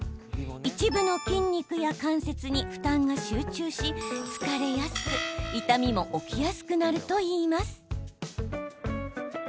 一部の筋肉や関節に負担が集中し疲れやすく痛みも起きやすくなるといいます。